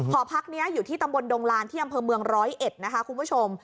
หอพักนี้อยู่ที่ตำบลดงลานที่อำเภอเมืองร้อยเอ็ดนะคะคุณผู้ชม